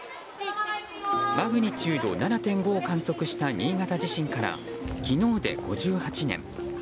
マグニチュード７．５を観測した新潟地震から昨日で５８年。